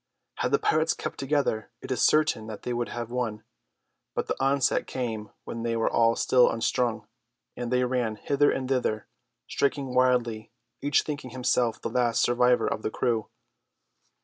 Had the pirates kept together it is certain that they would have won; but the onset came when they were still unstrung, and they ran hither and thither, striking wildly, each thinking himself the last survivor of the crew.